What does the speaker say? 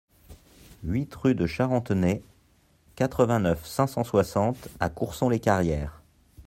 huit rue de Charentenay, quatre-vingt-neuf, cinq cent soixante à Courson-les-Carrières